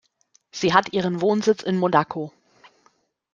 Sie hat ihren Wohnsitz in Monaco.